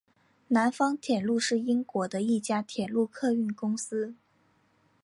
南方铁路是英国的一家铁路客运公司。